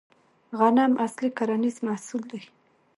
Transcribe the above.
غنم اصلي کرنیز محصول دی